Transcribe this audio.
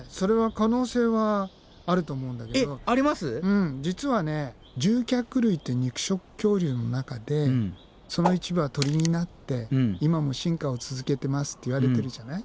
うん実は獣脚類って肉食恐竜の中でその一部は鳥になって今も進化を続けてますって言われてるじゃない。